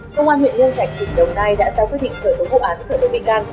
công an nguyễn nhân trạch tỉnh đồng nai đã sau quyết định khởi tống vụ án khởi tống bị can